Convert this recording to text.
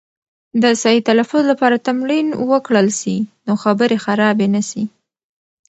د صحیح تلفظ لپاره تمرین وکړل سي، نو خبرې خرابې نه سي.